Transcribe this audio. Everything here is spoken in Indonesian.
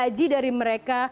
kemudian menarik taksi mereka